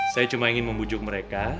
saya cuma ingin membujuk mereka